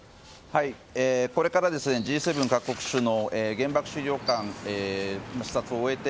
これから、Ｇ７各国首脳原爆資料館の視察を終えて。